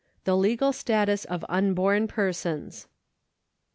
The Legal Status of Unborn Persons.